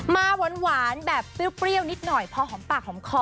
มาหวานแบบเปรี้ยวนิดหน่อยพอหอมปากหอมคอ